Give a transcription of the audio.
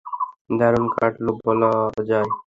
দারুণ কাটলো বলা যায়।